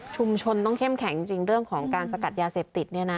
ต้องเข้มแข็งจริงเรื่องของการสกัดยาเสพติด